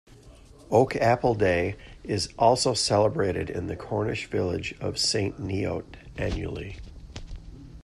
Oak Apple Day is also celebrated in the Cornish village of Saint Neot annually.